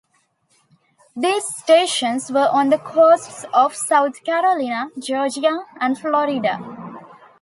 These stations were on the coasts of South Carolina, Georgia, and Florida.